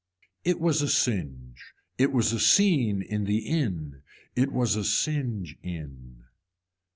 It was a singe, it was a scene in the in, it was a singe in.